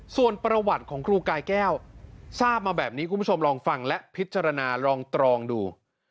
ส่วนประวัติของครูกายแก้วทราบมาแบบนี้คุณผู้ชมลองฟังและพิจารณาลองตรองดู